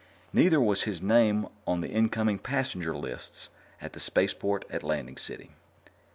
Neither was his name on the incoming passenger lists at the spaceport at Landing City.